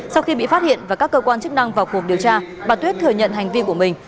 sau khi bị phát hiện và các cơ quan chức năng vào cuộc điều tra bà tuyết thừa nhận hành vi của mình